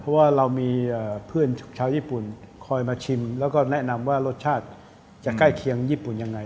เพราะว่าเรามีเพื่อนชาวญี่ปุ่นคอยมาชิมแล้วก็แนะนำว่ารสชาติจะใกล้เคียงญี่ปุ่นยังไง